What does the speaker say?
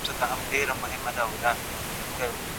ساینس پوهان د لابراتوارونو له لاري نوي کشفیات کوي.